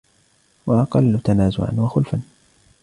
وَأَقَلُّ تَنَازُعًا وَخُلْفًا